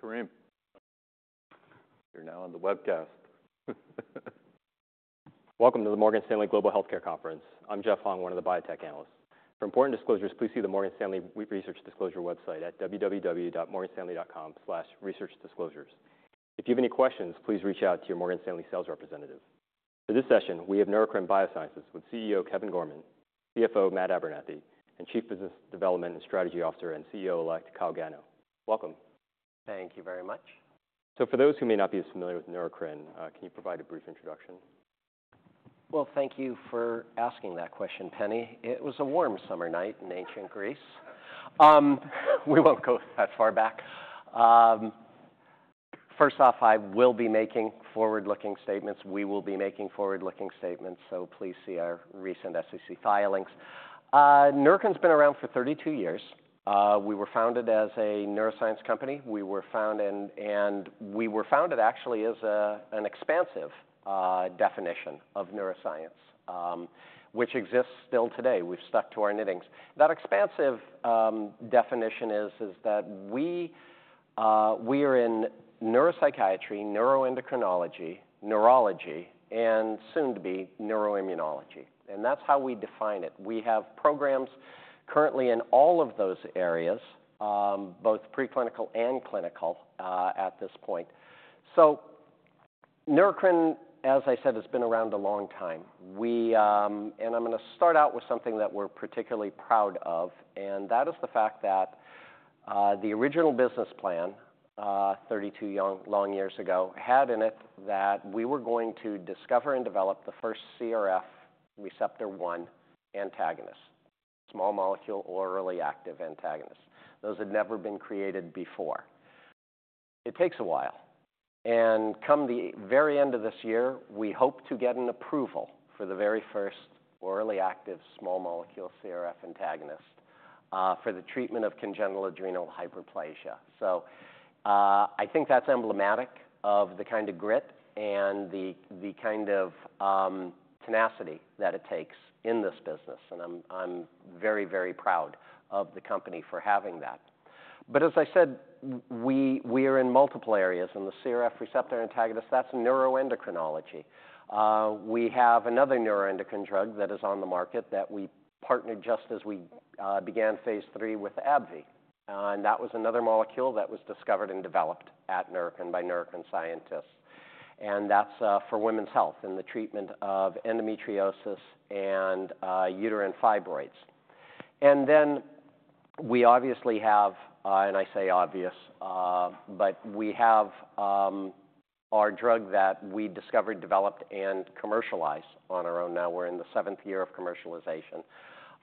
Karim, you're now on the webcast. Welcome to the Morgan Stanley Global Healthcare Conference. I'm Jeff Hung, one of the biotech analysts. For important disclosures, please see the Morgan Stanley Research Disclosure website at www.morganstanley.com/researchdisclosures. If you have any questions, please reach out to your Morgan Stanley sales representative. For this session, we have Neurocrine Biosciences with CEO, Kevin Gorman, CFO, Matt Abernethy, and Chief Business Development and Strategy Officer and CEO Elect, Kyle Gano. Welcome. Thank you very much. So for those who may not be as familiar with Neurocrine, can you provide a brief introduction? Well, thank you for asking that question, Penny. It was a warm summer night in ancient Greece. We won't go that far back. First off, I will be making forward-looking statements. We will be making forward-looking statements, so please see our recent SEC filings. Neurocrine's been around for 32 years. We were founded as a neuroscience company, and we were founded actually as an expansive definition of neuroscience, which exists still today. We've stuck to our knitting. That expansive definition is that we are in neuropsychiatry, neuroendocrinology, neurology, and soon to be neuroimmunology, and that's how we define it. We have programs currently in all of those areas, both preclinical and clinical, at this point. So Neurocrine, as I said, has been around a long time. We... I'm gonna start out with something that we're particularly proud of, and that is the fact that the original business plan, 32 long years ago, had in it that we were going to discover and develop the first CRF receptor one antagonist, small molecule, orally active antagonist. Those had never been created before. It takes a while, and come the very end of this year, we hope to get an approval for the very first orally active small molecule CRF antagonist for the treatment of congenital adrenal hyperplasia. So I think that's emblematic of the kind of grit and the kind of tenacity that it takes in this business, and I'm very, very proud of the company for having that. But as I said, we are in multiple areas, and the CRF receptor antagonist, that's neuroendocrinology. We have another neuroendocrine drug that is on the market that we partnered just as we began phase III with AbbVie, and that was another molecule that was discovered and developed at Neurocrine by Neurocrine scientists, and that's for women's health in the treatment of endometriosis and uterine fibroids, and then we obviously have, and I say obvious, but we have our drug that we discovered, developed, and commercialized on our own. Now we're in the 7th year of commercialization,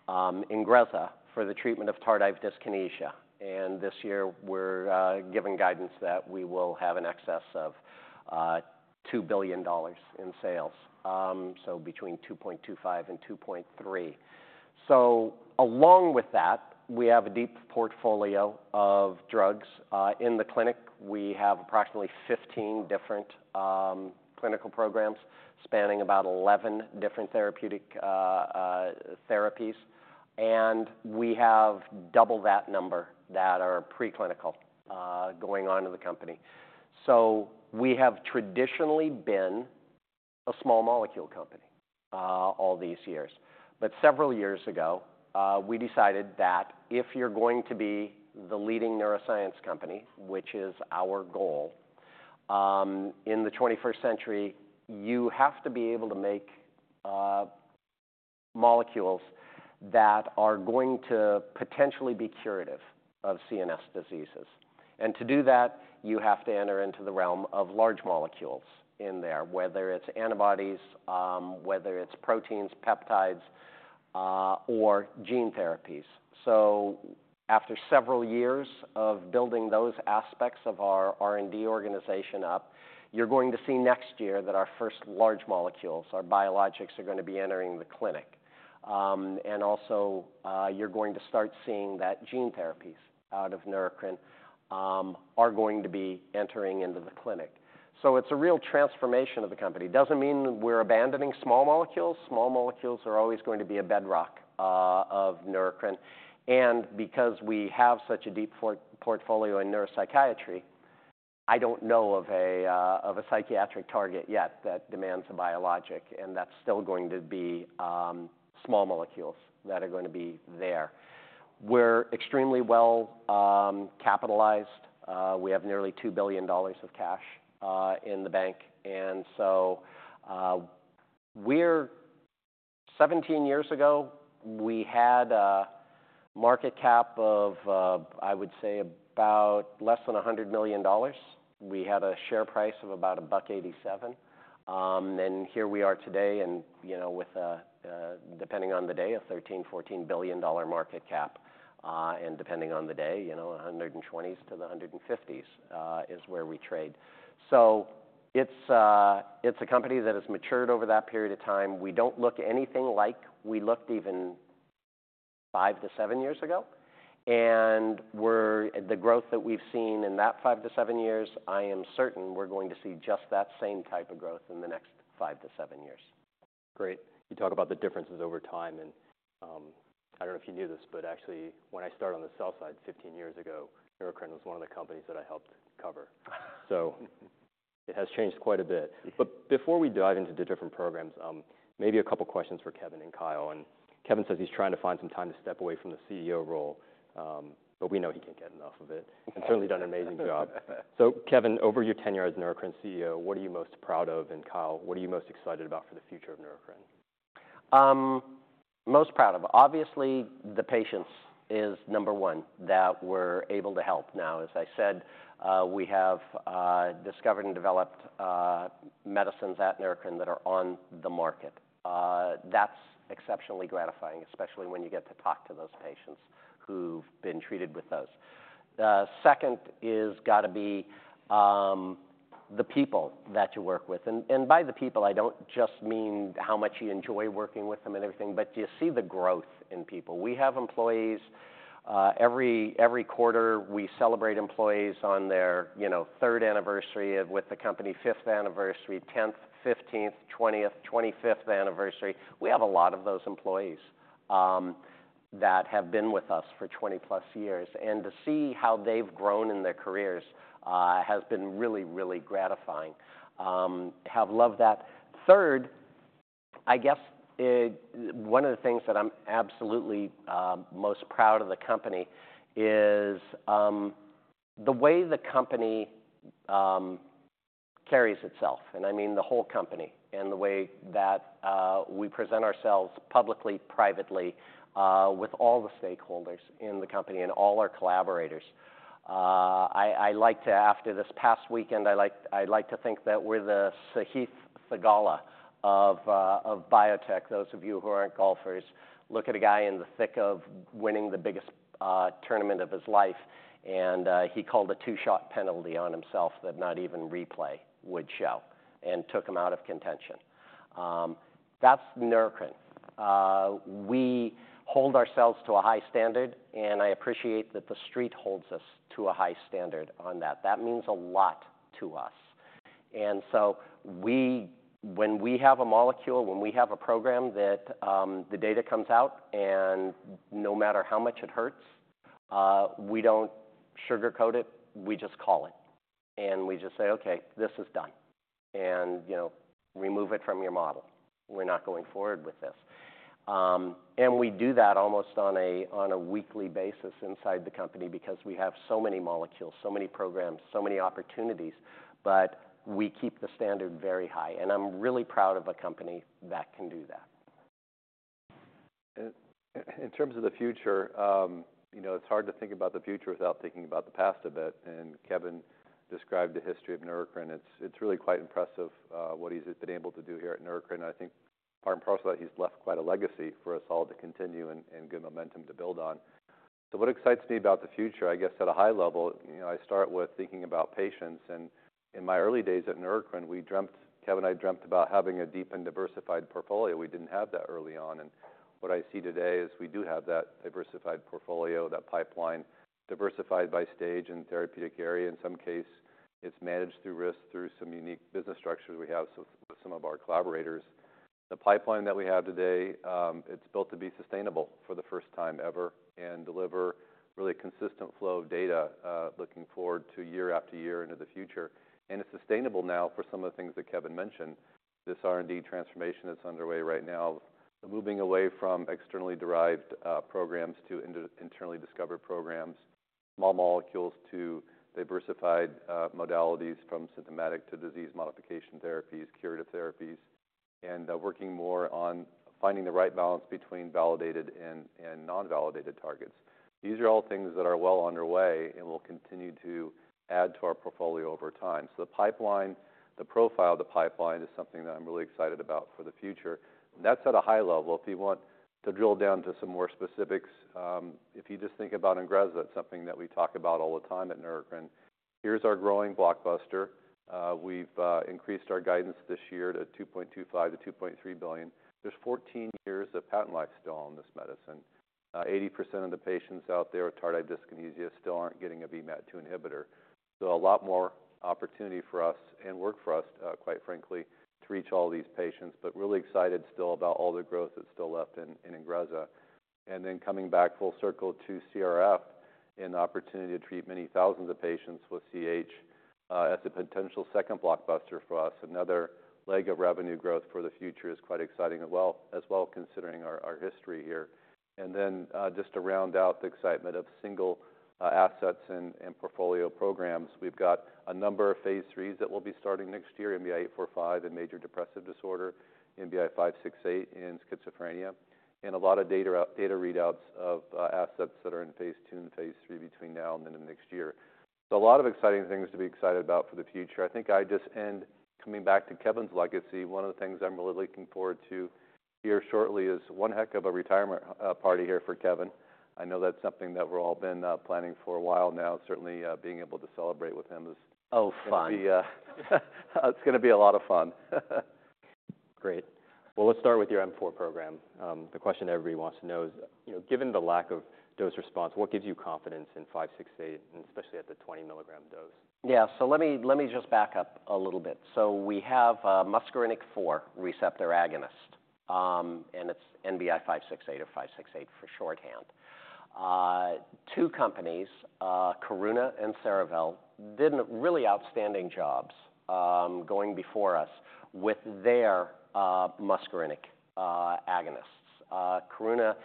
INGREZZA, for the treatment of tardive dyskinesia, and this year we're giving guidance that we will have an excess of $2 billion in sales, so between $2.25 billion and $2.3 billion, so along with that, we have a deep portfolio of drugs. In the clinic, we have approximately 15 different clinical programs spanning about 11 different therapeutic therapies, and we have double that number that are preclinical going on in the company. So we have traditionally been a small molecule company all these years. But several years ago, we decided that if you're going to be the leading neuroscience company, which is our goal, in the 21st century, you have to be able to make molecules that are going to potentially be curative of CNS diseases. And to do that, you have to enter into the realm of large molecules in there, whether it's antibodies, whether it's proteins, peptides, or gene therapies. So after several years of building those aspects of our R&D organization up, you're going to see next year that our first large molecules, our biologics, are gonna be entering the clinic. And also, you're going to start seeing that gene therapies out of Neurocrine are going to be entering into the clinic. So it's a real transformation of the company. Doesn't mean we're abandoning small molecules. Small molecules are always going to be a bedrock of Neurocrine. And because we have such a deep portfolio in neuropsychiatry, I don't know of a psychiatric target yet that demands a biologic, and that's still going to be small molecules that are gonna be there. We're extremely well capitalized. We have nearly $2 billion of cash in the bank, and so we're 17 years ago we had a market cap of, I would say about less than $100 million. We had a share price of about $1.87. And here we are today and, you know, with a, depending on the day, a $13 billion-$14 billion market cap, and depending on the day, you know, $120s to the $150s is where we trade. So it's a company that has matured over that period of time. We don't look anything like we looked even five to seven years ago, and we're the growth that we've seen in that five to seven years. I am certain we're going to see just that same type of growth in the next five to seven years.... Great. You talk about the differences over time, and, I don't know if you knew this, but actually when I started on the sell side 15 years ago, Neurocrine was one of the companies that I helped cover. So it has changed quite a bit. But before we dive into the different programs, maybe a couple questions for Kevin and Kyle. And Kevin says he's trying to find some time to step away from the CEO role, but we know he can't get enough of it. And certainly done an amazing job. So Kevin, over your tenure as Neurocrine CEO, what are you most proud of? And Kyle, what are you most excited about for the future of Neurocrine? Most proud of, obviously, the patients is number one that we're able to help now. As I said, we have discovered and developed medicines at Neurocrine that are on the market. That's exceptionally gratifying, especially when you get to talk to those patients who've been treated with those. Second is gotta be the people that you work with, and by the people, I don't just mean how much you enjoy working with them and everything, but you see the growth in people. We have employees. Every quarter, we celebrate employees on their, you know, 3rd anniversary of with the company, 5th anniversary, 10th, 15th, 20th, 25th anniversary. We have a lot of those employees that have been with us for 20+ years, and to see how they've grown in their careers has been really, really gratifying. Have loved that. Third, I guess, one of the things that I'm absolutely most proud of the company is the way the company carries itself, and I mean the whole company, and the way that we present ourselves publicly, privately, with all the stakeholders in the company and all our collaborators. I like to after this past weekend, I like to think that we're the Sahith Theegala of biotech. Those of you who aren't golfers, look at a guy in the thick of winning the biggest tournament of his life, and he called a two-shot penalty on himself that not even replay would show and took him out of contention. That's Neurocrine. We hold ourselves to a high standard, and I appreciate that the street holds us to a high standard on that. That means a lot to us. And so we when we have a molecule, when we have a program that, the data comes out, and no matter how much it hurts, we don't sugarcoat it, we just call it, and we just say, "Okay, this is done. And, you know, remove it from your model. We're not going forward with this." And we do that almost on a weekly basis inside the company because we have so many molecules, so many programs, so many opportunities, but we keep the standard very high, and I'm really proud of a company that can do that. In terms of the future, you know, it's hard to think about the future without thinking about the past a bit, and Kevin described the history of Neurocrine. It's really quite impressive, what he's been able to do here at Neurocrine. I think part and parcel that he's left quite a legacy for us all to continue and good momentum to build on. So what excites me about the future, I guess at a high level, you know, I start with thinking about patients, and in my early days at Neurocrine, we dreamt, Kevin and I dreamt about having a deep and diversified portfolio. We didn't have that early on, and what I see today is we do have that diversified portfolio, that pipeline diversified by stage and therapeutic area. In some cases, it's managed through risk, through some unique business structures we have with some of our collaborators. The pipeline that we have today, it's built to be sustainable for the first time ever and deliver really consistent flow of data, looking forward to year after year into the future, and it's sustainable now for some of the things that Kevin mentioned. This R&D transformation that's underway right now, moving away from externally derived programs to internally discovered programs, small molecules to diversified modalities from symptomatic to disease modification therapies, curative therapies, and working more on finding the right balance between validated and non-validated targets. These are all things that are well underway and will continue to add to our portfolio over time, so the pipeline, the profile of the pipeline is something that I'm really excited about for the future. That's at a high level. If you want to drill down to some more specifics, if you just think about INGREZZA, that's something that we talk about all the time at Neurocrine. Here's our growing blockbuster. We've increased our guidance this year to $2.25 billion-$2.3 billion. There's 14 years of patent life still on this medicine. 80% of the patients out there with tardive dyskinesia still aren't getting a VMAT2 inhibitor. So a lot more opportunity for us and work for us, quite frankly, to reach all these patients, but really excited still about all the growth that's still left in INGREZZA. And then coming back full circle to CRF and the opportunity to treat many thousands of patients with CAH, as a potential second blockbuster for us, another leg of revenue growth for the future is quite exciting as well, considering our history here. And then, just to round out the excitement of single assets and portfolio programs, we've got a number of phase threes that will be starting next year, NBI-845 and major depressive disorder, NBI-568 in schizophrenia, and a lot of data readouts of assets that are in phase two and phase three between now and the end of next year. So a lot of exciting things to be excited about for the future. I think I just end coming back to Kevin's legacy. One of the things I'm really looking forward to here shortly is one heck of a retirement party here for Kevin. I know that's something that we're all been planning for a while now. Certainly, being able to celebrate with him is- Oh, fun! It's gonna be a lot of fun. Great. Well, let's start with your M4 program. The question everybody wants to know is, you know, given the lack of dose response, what gives you confidence in NBI-568, and especially at the 20 mg dose? Yeah. So let me, let me just back up a little bit. So we have a muscarinic four receptor agonist, and it's NBI-568 or 568 for shorthand. Two companies, Karuna and Cerevel, did really outstanding jobs going before us with their muscarinic agonists. Karuna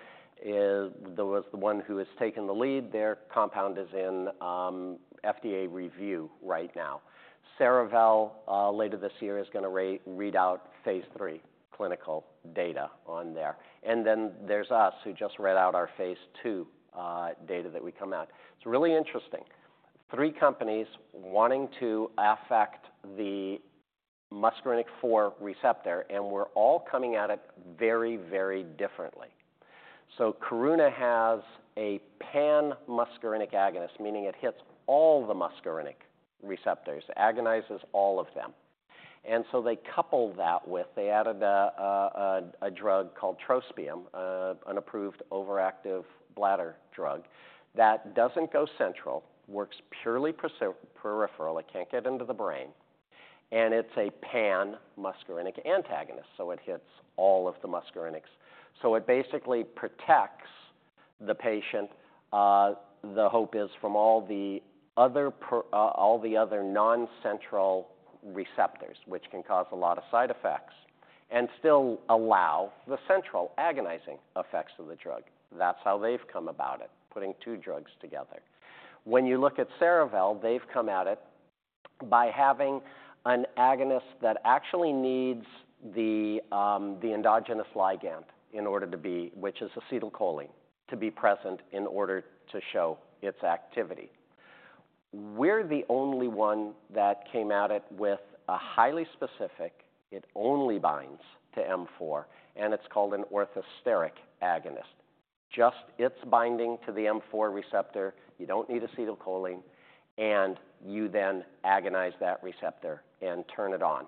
was the one who has taken the lead. Their compound is in FDA review right now. Cerevel, later this year, is gonna read out phase III clinical data on there. And then there's us, who just read out our phase II data that we come out. It's really interesting. Three companies wanting to affect the muscarinic four receptor, and we're all coming at it very, very differently. So Karuna has a pan-muscarinic agonist, meaning it hits all the muscarinic receptors, agonizes all of them. And so they coupled that with. They added a drug called trospium, an approved overactive bladder drug, that doesn't go central, works purely peripheral. It can't get into the brain, and it's a pan-muscarinic antagonist, so it hits all of the muscarinics. So it basically protects the patient, the hope is, from all the other non-central receptors, which can cause a lot of side effects, and still allow the central agonistic effects of the drug. That's how they've come about it, putting two drugs together. When you look at Cerevel, they've come at it by having an agonist that actually needs the endogenous ligand in order to be, which is acetylcholine, to be present in order to show its activity. We're the only one that came at it with a highly specific, it only binds to M4, and it's called an orthosteric agonist. Just it's binding to the M4 receptor, you don't need acetylcholine, and you then agonize that receptor and turn it on.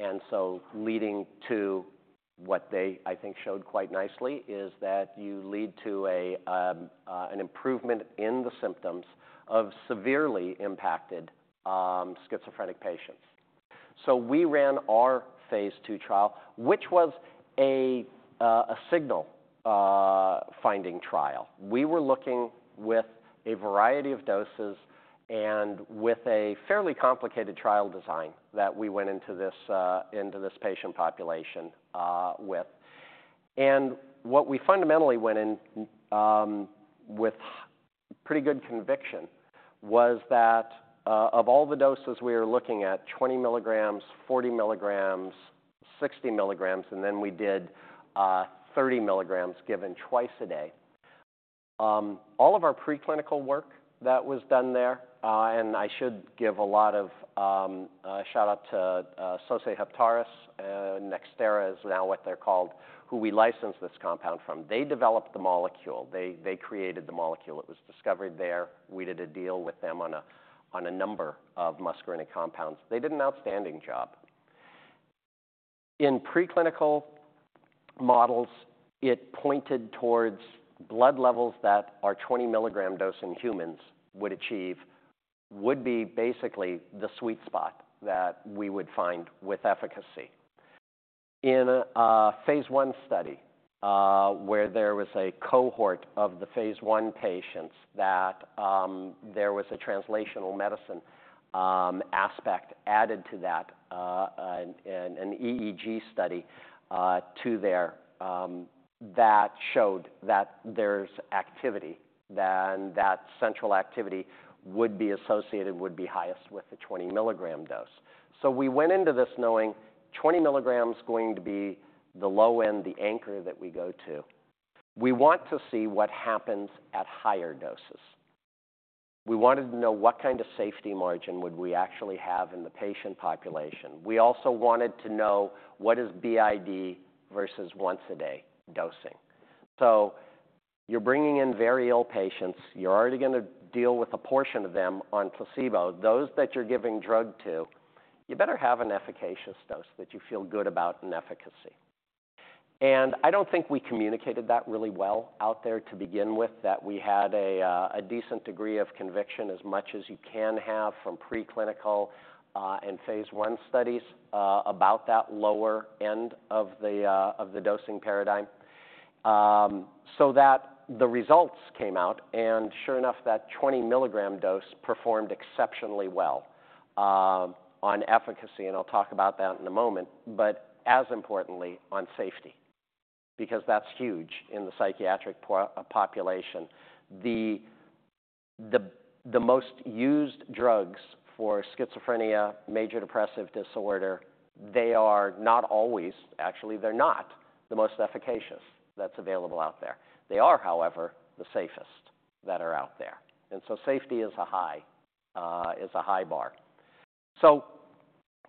And so leading to what they, I think, showed quite nicely is that you lead to an improvement in the symptoms of severely impacted schizophrenic patients. So we ran our phase II trial, which was a signal finding trial. We were looking with a variety of doses and with a fairly complicated trial design that we went into this into this patient population with. And what we fundamentally went in with pretty good conviction was that of all the doses we were looking at, 20 mg, 40 mg, 60 mg, and then we did 30 mg given twice a day. All of our preclinical work that was done there. And I should give a lot of shout out to Sosei Heptares. Nxera is now what they're called, who we licensed this compound from. They developed the molecule. They, they created the molecule. It was discovered there. We did a deal with them on a number of muscarinic compounds. They did an outstanding job. In preclinical models, it pointed towards blood levels that our 20 mg dose in humans would achieve would be basically the sweet spot that we would find with efficacy. In a phase I study, where there was a cohort of the phase I patients that there was a translational medicine aspect added to that, an EEG study that showed that there's activity, then that central activity would be associated, would be highest with the 20 mg dose. So we went into this knowing 20 mg is going to be the low end, the anchor that we go to. We want to see what happens at higher doses. We wanted to know what kind of safety margin would we actually have in the patient population. We also wanted to know: What is BID versus once-a-day dosing? So you're bringing in very ill patients. You're already gonna deal with a portion of them on placebo. Those that you're giving drug to, you better have an efficacious dose that you feel good about in efficacy, and I don't think we communicated that really well out there to begin with, that we had a decent degree of conviction as much as you can have from preclinical and phase I studies about that lower end of the dosing paradigm, so that the results came out, and sure enough, that 20 mg dose performed exceptionally well on efficacy, and I'll talk about that in a moment, but as importantly, on safety, because that's huge in the psychiatric population. The most used drugs for schizophrenia, major depressive disorder, they are not always, actually, they're not the most efficacious that's available out there. They are, however, the safest that are out there, and so safety is a high bar. So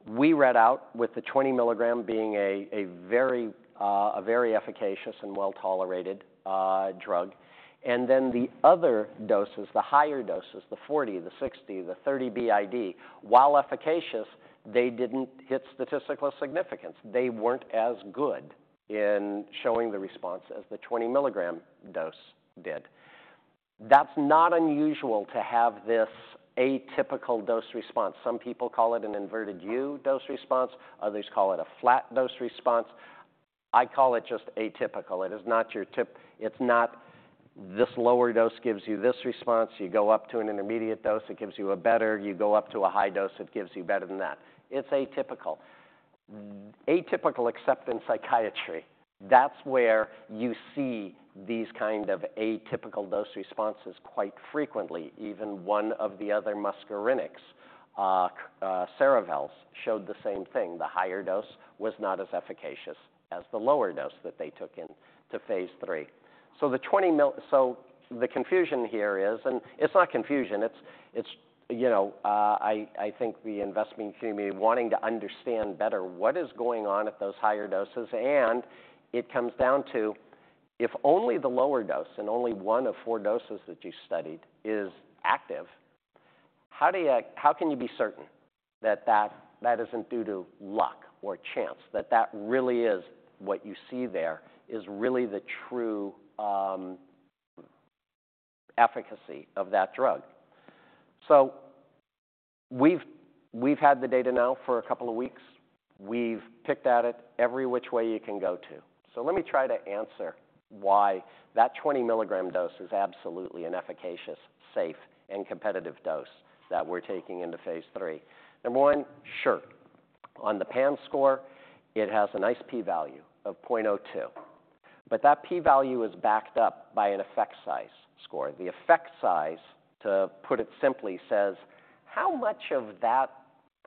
we read out with the 20 mg being a very efficacious and well-tolerated drug. And then the other doses, the higher doses, the 40, the 60, the 30 BID, while efficacious, they didn't hit statistical significance. They weren't as good in showing the response as the 20 mg dose did. That's not unusual to have this atypical dose response. Some people call it an inverted U dose response, others call it a flat dose response. I call it just atypical. It is not, it's not this lower dose gives you this response, you go up to an intermediate dose, it gives you a better, you go up to a high dose, it gives you better than that. It's atypical. Atypical, except in psychiatry. That's where you see these kind of atypical dose responses quite frequently. Even one of the other muscarinics, Cerevel's, showed the same thing. The higher dose was not as efficacious as the lower dose that they took in to phase III. So the confusion here is, and it's not confusion, it's, you know, I think the investment community wanting to understand better what is going on at those higher doses, and it comes down to, if only the lower dose and only one of four doses that you studied is active, how can you be certain that that isn't due to luck or chance, that that really is what you see there is really the true efficacy of that drug? So we've had the data now for a couple of weeks. We've picked at it every which way you can go to. So let me try to answer why that 20 mg dose is absolutely an efficacious, safe, and competitive dose that we're taking into phase III. Number one, sure, on the PANSS score, it has a nice p-value of 0.02, but that p-value is backed up by an effect size score. The effect size, to put it simply, says how much of that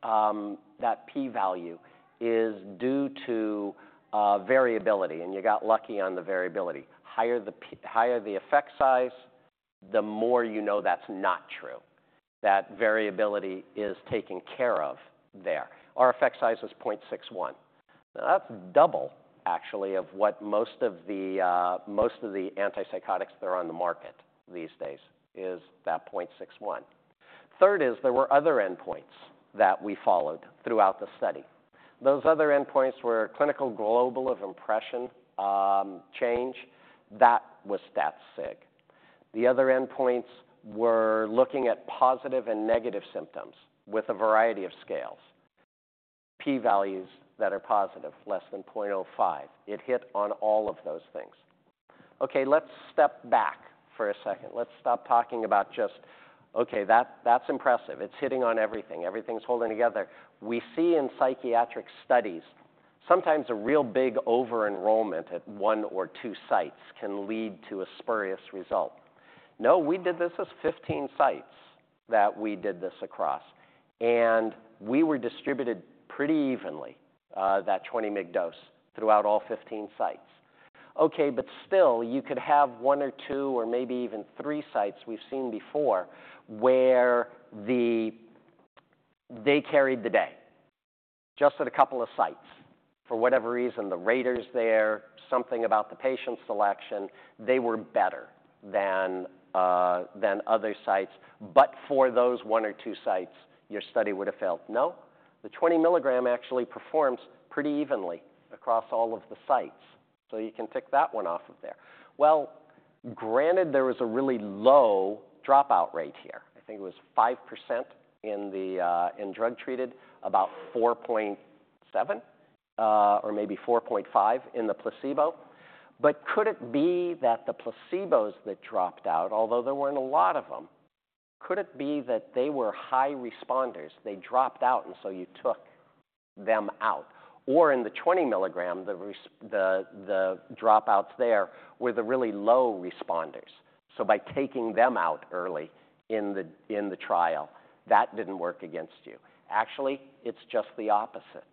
that p-value is due to variability, and you got lucky on the variability? Higher the p-value, higher the effect size, the more you know that's not true, that variability is taken care of there. Our effect size was 0.61. Now, that's double, actually, of what most of the antipsychotics that are on the market these days is, that 0.61. Third is, there were other endpoints that we followed throughout the study. Those other endpoints were Clinical Global Impression, change. That was stat sig. The other endpoints were looking at positive and negative symptoms with a variety of scales. P-values that are positive, less than point zero five. It hit on all of those things. Okay, let's step back for a second. Let's stop talking about just... Okay, that, that's impressive. It's hitting on everything. Everything's holding together. We see in psychiatric studies, sometimes a real big over-enrollment at one or two sites can lead to a spurious result. No, we did this as 15 sites that we did this across, and we were distributed pretty evenly, that 20 mg dose, throughout all 15 sites. Okay, but still, you could have one or two or maybe even three sites we've seen before, where the... They carried the day, just at a couple of sites. For whatever reason, the raters there, something about the patient selection, they were better than other sites, but for those one or two sites, your study would have failed. No, the 20 mg actually performs pretty evenly across all of the sites, so you can tick that one off of there. Well, granted, there was a really low dropout rate here. I think it was 5% in the drug-treated, about 4.7 or maybe 4.5 in the placebo. But could it be that the placebos that dropped out, although there weren't a lot of them, could it be that they were high responders, they dropped out, and so you took them out? Or in the 20 mg, the rest, the dropouts there were the really low responders, so by taking them out early in the trial, that didn't work against you. Actually, it's just the opposite,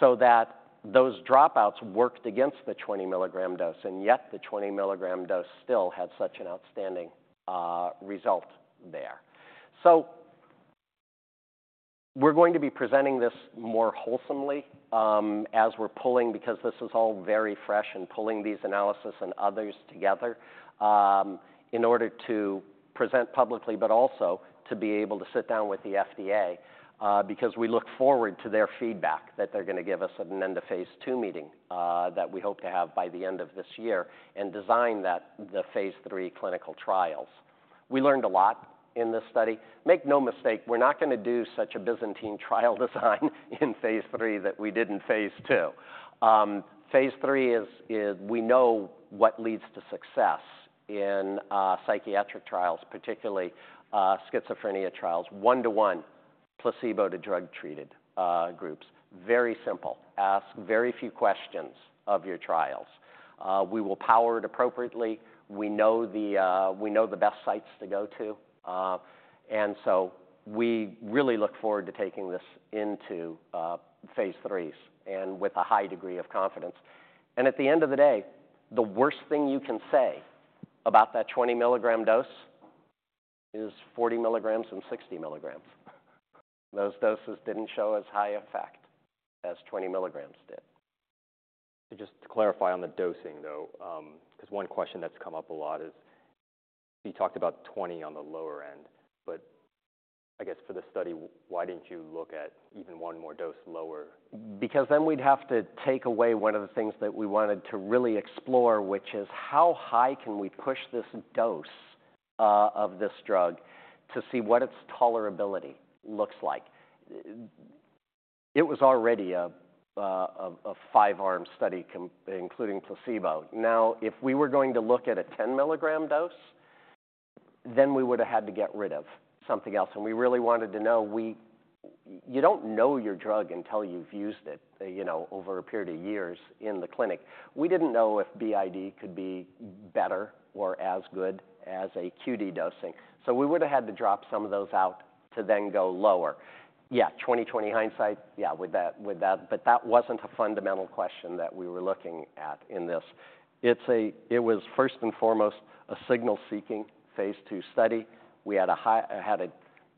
so that those dropouts worked against the 20 mg dose, and yet the 20 mg dose still had such an outstanding result there. So we're going to be presenting this more wholesomely, as we're pulling, because this is all very fresh, and pulling these analysis and others together, in order to present publicly, but also to be able to sit down with the FDA, because we look forward to their feedback that they're gonna give us at an end of phase II meeting, that we hope to have by the end of this year and design the phase III clinical trials. We learned a lot in this study. Make no mistake, we're not gonna do such a Byzantine trial design in phase III that we did in phase II. Phase III is we know what leads to success in psychiatric trials, particularly schizophrenia trials, one-to-one, placebo to drug-treated groups. Very simple. Ask very few questions of your trials. We will power it appropriately. We know the best sites to go to, and so we really look forward to taking this into phase IIIs, and with a high degree of confidence. And at the end of the day, the worst thing you can say about that 20 mg dose is 40 mg and 60 mg. Those doses didn't show as high effect as 20 mg did. Just to clarify on the dosing, though, 'cause one question that's come up a lot is, you talked about 20 on the lower end, but I guess for the study, why didn't you look at even one more dose lower? Because then we'd have to take away one of the things that we wanted to really explore, which is: How high can we push this dose of this drug to see what its tolerability looks like. It was already a five-arm study including placebo. Now, if we were going to look at a 10 mg dose, then we would have had to get rid of something else, and we really wanted to know. You don't know your drug until you've used it, you know, over a period of years in the clinic. We didn't know if BID could be better or as good as a QD dosing, so we would have had to drop some of those out to then go lower. Yeah, 20/20 hindsight, yeah, with that, but that wasn't a fundamental question that we were looking at in this. It was first and foremost a signal-seeking phase II study. We had a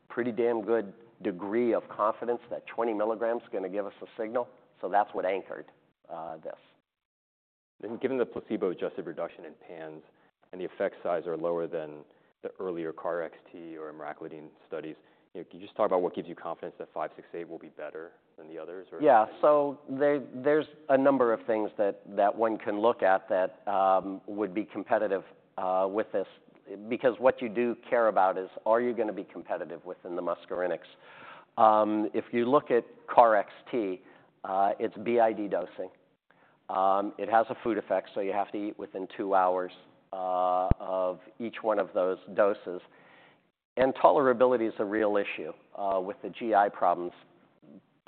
pretty damn good degree of confidence that 20 mg is gonna give us a signal, so that's what anchored this. Given the placebo-adjusted reduction in PANSS and the effect size are lower than the earlier KarXT or emraclidine studies, can you just talk about what gives you confidence that NBI-568 will be better than the others or? Yeah. So there's a number of things that one can look at that would be competitive with this. Because what you do care about is: Are you gonna be competitive within the muscarinics? If you look at KarXT, it's BID dosing. It has a food effect, so you have to eat within two hours of each one of those doses. And tolerability is a real issue with the GI problems.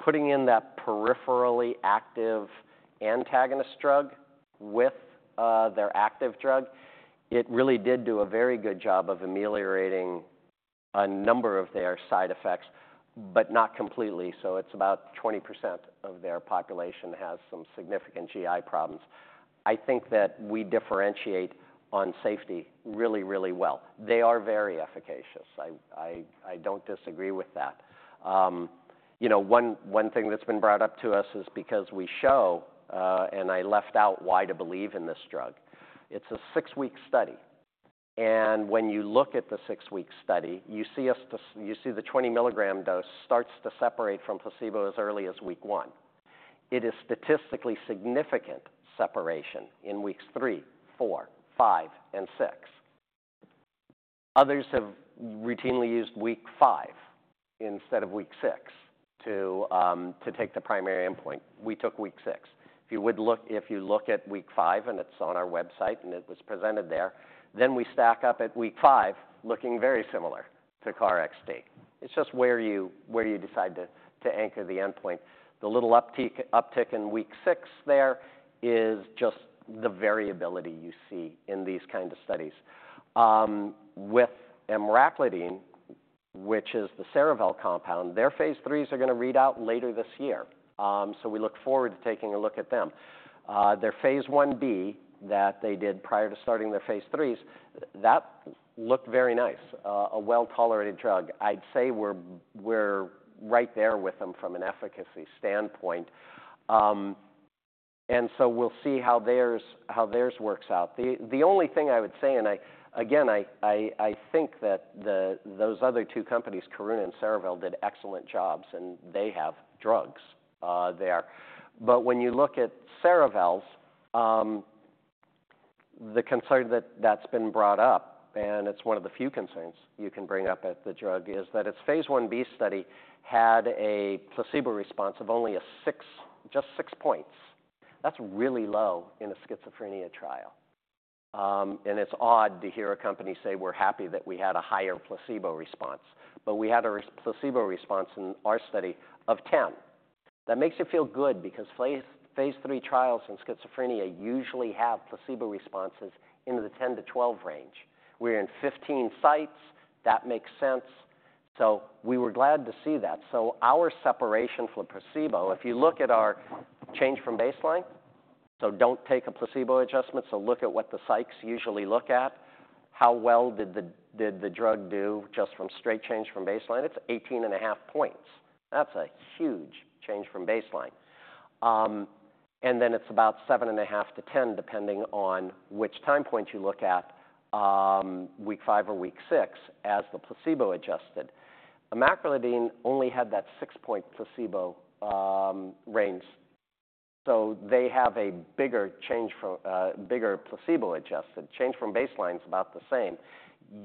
Putting in that peripherally active antagonist drug with their active drug, it really did do a very good job of ameliorating a number of their side effects, but not completely. So it's about 20% of their population has some significant GI problems. I think that we differentiate on safety really, really well. They are very efficacious. I don't disagree with that. You know, one thing that's been brought up to us is because we show, and I left out why to believe in this drug. It's a six-week study, and when you look at the six-week study, you see the 20 mg dose starts to separate from placebo as early as week one. It is statistically significant separation in weeks three, four, five, and six. Others have routinely used week five instead of week six to take the primary endpoint. We took week six. If you look at week five, and it's on our website, and it was presented there, then we stack up at week five, looking very similar to KarXT. It's just where you decide to anchor the endpoint. The little uptick in week six there is just the variability you see in these kind of studies. With emraclidine, which is the Cerevel compound, their phase IIIs are gonna read out later this year. So we look forward to taking a look at them. Their phase Ib that they did prior to starting their phase IIIs, that looked very nice, a well-tolerated drug. I'd say we're right there with them from an efficacy standpoint. And so we'll see how theirs works out. The only thing I would say, and I... Again, I think that those other two companies, Karuna and Cerevel, did excellent jobs, and they have drugs there. But when you look at Cerevel's, the concern that's been brought up, and it's one of the few concerns you can bring up at the drug, is that its phase Ib study had a placebo response of only a six, just six points. That's really low in a schizophrenia trial. And it's odd to hear a company say: We're happy that we had a higher placebo response. But we had a placebo response in our study of 10. That makes you feel good because phase III trials in schizophrenia usually have placebo responses in the 10 to 12 range. We're in 15 sites. That makes sense. So we were glad to see that. So our separation from placebo, if you look at our change from baseline, so don't take a placebo adjustment, so look at what the psychs usually look at. How well did the drug do just from straight change from baseline? It's 18.5 points. That's a huge change from baseline. And then it's about seven and a half to ten, depending on which time point you look at, week five or week six, as the placebo-adjusted. Emraclidine only had that six-point placebo range, so they have a bigger change from bigger placebo-adjusted. Change from baseline is about the same.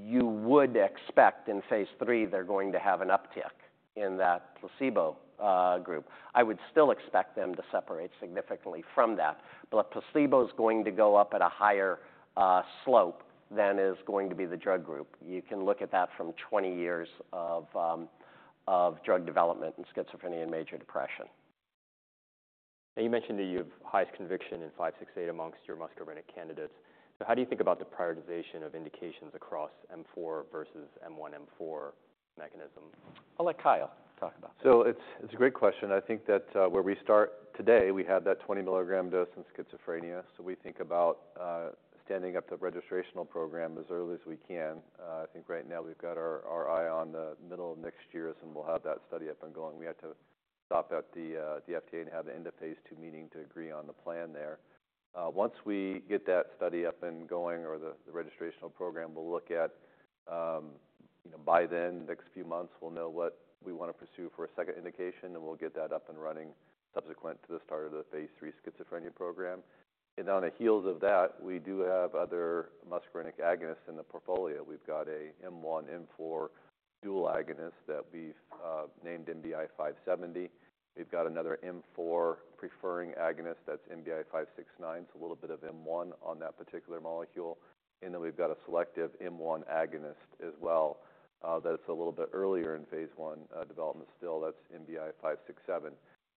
You would expect in phase III, they're going to have an uptick in that placebo group. I would still expect them to separate significantly from that, but placebo's going to go up at a higher slope than is going to be the drug group. You can look at that from 20 years of drug development in schizophrenia and major depression. You mentioned that you have the highest conviction in NBI-568 amongst your muscarinic candidates. How do you think about the prioritization of indications across M4 versus M1/M4 mechanism? I'll let Kyle talk about that. So it's, it's a great question. I think that where we start today, we have that 20 mg dose in schizophrenia, so we think about standing up the registrational program as early as we can. I think right now we've got our eye on the middle of next year, and we'll have that study up and going. We had to stop at the FDA and have the end of phase II meeting to agree on the plan there. Once we get that study up and going, or the registrational program, we'll look at. By then, the next few months, we'll know what we wanna pursue for a second indication, and we'll get that up and running subsequent to the start of the phase III schizophrenia program. And on the heels of that, we do have other muscarinic agonists in the portfolio. We've got a M1/M4 dual agonist that we've named NBI-570. We've got another M4 preferring agonist, that's NBI-569, it's a little bit of M1 on that particular molecule. And then we've got a selective M1 agonist as well, that's a little bit earlier in phase I development still, that's NBI-567.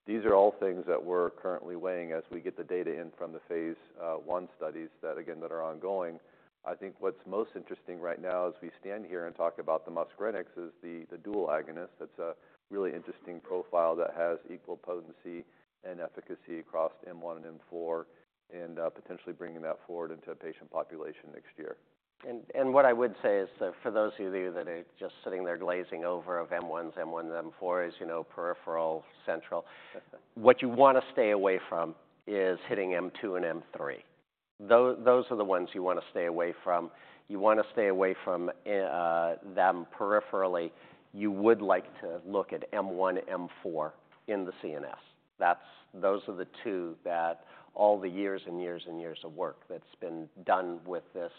These are all things that we're currently weighing as we get the data in from the phase I studies that, again, that are ongoing. I think what's most interesting right now as we stand here and talk about the muscarinic is the dual agonist. That's a really interesting profile that has equal potency and efficacy across M1 and M4, and potentially bringing that forward into a patient population next year. What I would say is that for those of you that are just sitting there glazing over of M1s, M4 is, you know, peripheral, central. What you wanna stay away from is hitting M2 and M3. Those are the ones you wanna stay away from. You wanna stay away from them peripherally. You would like to look at M1, M4 in the CNS. That's those are the two that all the years and years and years of work that's been done with this,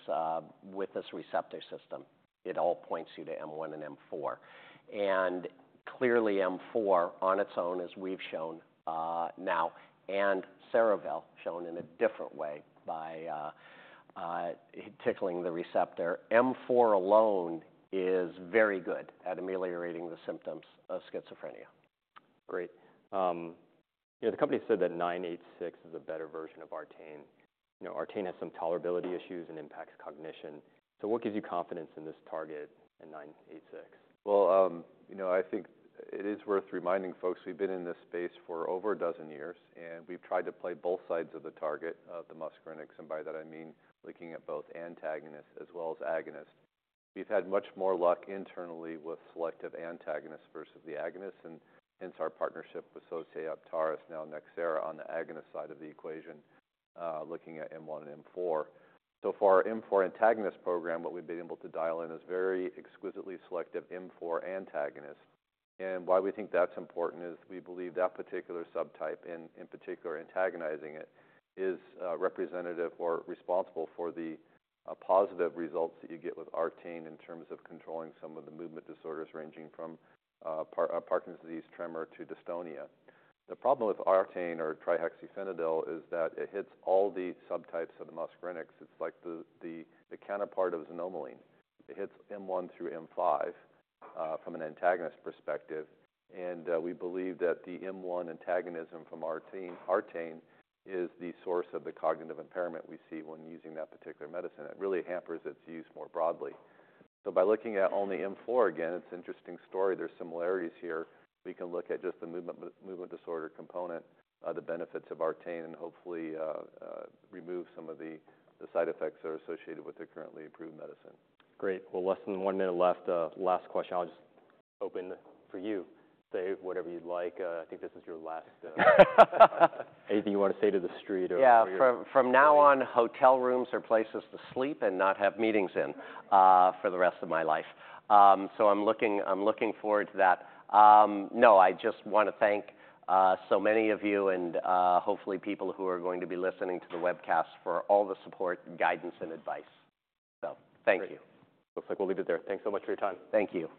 with this receptor system, it all points you to M1 and M4. And clearly M4, on its own, as we've shown, now and Cerevel shown in a different way by tickling the receptor, M4 alone is very good at ameliorating the symptoms of schizophrenia. Great. You know, the company said that NBI-986 is a better version of Artane. You know, Artane has some tolerability issues and impacts cognition. So what gives you confidence in this target in NBI-986? You know, I think it is worth reminding folks we've been in this space for over a dozen years, and we've tried to play both sides of the target of the muscarinic, and by that I mean looking at both antagonists as well as agonists. We've had much more luck internally with selective antagonists versus the agonists, and hence our partnership with Sosei Heptares, now Nxera, on the agonist side of the equation, looking at M1 and M4. So for our M4 antagonist program, what we've been able to dial in is very exquisitely selective M4 antagonist. And why we think that's important is we believe that particular subtype, in particular, antagonizing it, is representative or responsible for the positive results that you get with Artane in terms of controlling some of the movement disorders, ranging from Parkinson's disease, tremor to dystonia. The problem with Artane or trihexyphenidyl is that it hits all the subtypes of the muscarinic. It's like the counterpart of Xanomeline. It hits M1 through M5 from an antagonist perspective, and we believe that the M1 antagonism from Artane is the source of the cognitive impairment we see when using that particular medicine. It really hampers its use more broadly. So by looking at only M4, again, it's an interesting story. There's similarities here. We can look at just the movement disorder component, the benefits of Artane, and hopefully remove some of the side effects that are associated with the currently approved medicine. Great. Well, less than one minute left. Last question. I'll just open for you. Say whatever you'd like. I think this is your last. Anything you wanna say to the street or- Yeah. For your- From now on, hotel rooms are places to sleep and not have meetings in for the rest of my life. So I'm looking forward to that. No, I just wanna thank so many of you and hopefully people who are going to be listening to the webcast for all the support, guidance, and advice. So thank you. Great. Looks like we'll leave it there. Thanks so much for your time. Thank you.